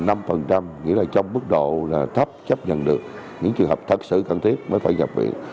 nghĩa là trong mức độ là thấp chấp nhận được những trường hợp thật sự cần thiết mới phải nhập viện